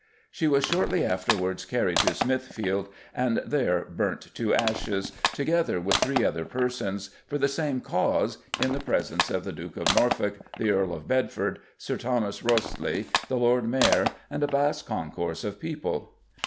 She was shortly afterwards carried to Smithfield and there burnt to ashes, together with three other persons, for the same cause, in the presence of the Duke of Norfolk, the Earl of Bedford, Sir Thomas Wriothesley, the Lord Mayor, and a vast concourse of people."